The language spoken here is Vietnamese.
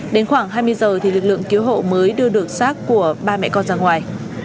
đến khoảng hai mươi giờ thì lực lượng cứu hộ mới đưa được sát của ba mẹ con ra ngoài